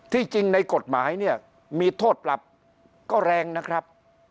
จริงในกฎหมายเนี่ยมีโทษปรับก็แรงนะครับ